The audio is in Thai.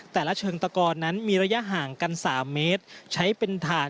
แต่ละเชิงตะกรนั้นมีระยะห่างกัน๓เมตร